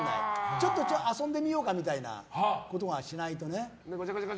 ちょっと遊んでみようかみたいなことはしないとね。